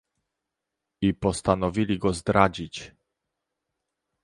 "I postanowili go zdradzić."